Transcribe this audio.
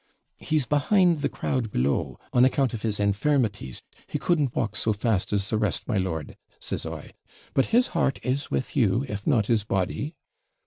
'He's behind the crowd below, on account of his infirmities; he couldn't walk so fast as the rest, my lord,' says I; 'but his heart is with you, if not his body.